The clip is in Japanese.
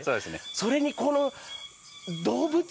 それに、この動物？